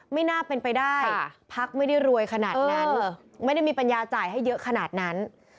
ไม่น่าเป็นไปได้พักไม่ได้รวยขนาดนั้นไม่ได้มีปัญญาจ่ายให้เยอะขนาดนั้น